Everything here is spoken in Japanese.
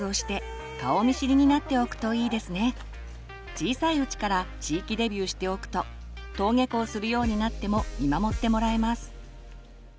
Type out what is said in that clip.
小さいうちから地域デビューしておくと登下校するようになっても見守ってもらえます。